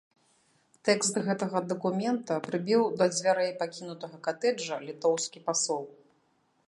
Тэкст гэтага дакумента прыбіў да дзвярэй пакінутага катэджа літоўскі пасол.